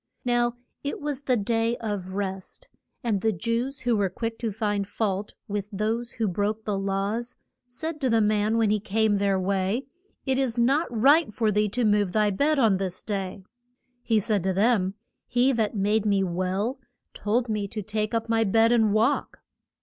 Now it was the Day of Rest. And the Jews, who were quick to find fault with those who broke the laws, said to the man when he came their way, It is not right for thee to move thy bed on this day. He said to them, he that made me well told me to take up my bed and walk.